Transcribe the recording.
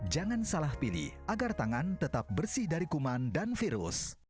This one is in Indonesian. jangan salah pilih agar tangan tetap bersih dari kuman dan virus